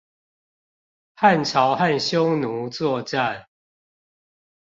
漢朝和匈奴作戰